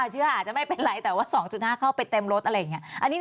เชื่อว่าอาจจะไม่เป็นไรแต่ว่า๒๕เข้าไปเต็มรถอะไรอย่างนี้